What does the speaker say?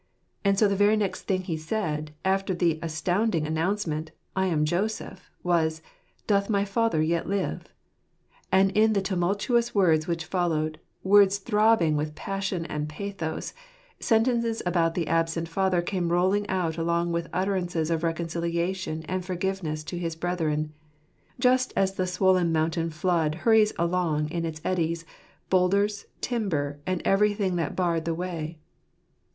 And so the very next thing he said, after the astounding announcement, "I am Joseph," was, "Doth my father yet live? " And in the tumultuous words which followed, words throbbing with passion and pathos, sen tences about the absent father came rolling out along with utterances of reconciliation and forgiveness to his brethren : just as the swollen mountain flood hurries along in its eddies, boulders, timber, and everything that barred the way.